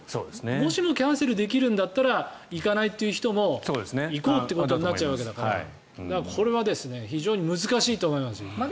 もしもキャンセルできるんだったら行かない人も行こうということになっちゃうわけだからこれは非常に難しいと思いますよ。